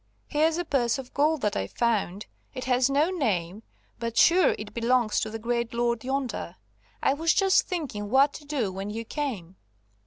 Here's a purse of gold that I've found; it has no name, but sure it belongs to the great lord yonder. I was just thinking what to do when you came."